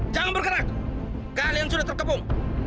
jangan bergerak kalian sudah terkepung